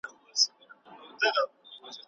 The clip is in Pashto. د قصاص حکم د عدالت د ټینګښت لپاره دی.